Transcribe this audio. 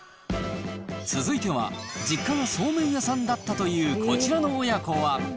続いては、実家がそうめん屋さんだったというこちらの親子は。